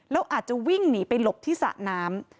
แล้วอาจจะวิ่งหนีไปหลบที่สระน้ำ